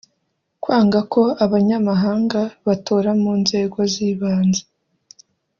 kwanga ko abanyamahanga batora mu nzego z’ibanze